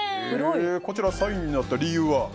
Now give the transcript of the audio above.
こちら、３位になった理由は？